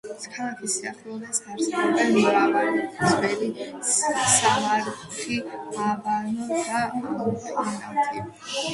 ქალაქის სიახლოვეს არსებობს მრავალი ძველი, სამარხი, აბანო და ამფითეატრი.